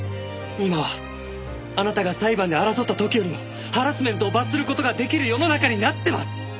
今はあなたが裁判で争った時よりもハラスメントを罰する事ができる世の中になってます！